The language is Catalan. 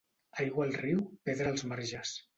Aigua al riu, pedra als marges.